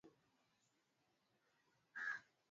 kwa maelekezo ya Waraka Namba